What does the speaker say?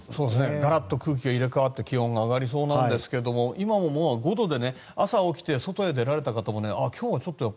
がらっと空気が入れ替わって気温が上がりそうなんですが今も５度で朝起きて外へ出られた方もあ、今日はちょっと。